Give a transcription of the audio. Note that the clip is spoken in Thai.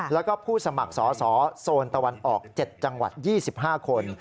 แล้วก็ผู้สมัครสอสอโซนตะวันออก๗จังหวัด๒๕คน